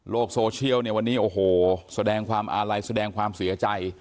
โซเชียลเนี่ยวันนี้โอ้โหแสดงความอาลัยแสดงความเสียใจ